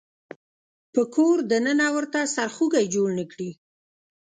په کور د ننه ورته سرخوږی جوړ نه کړي.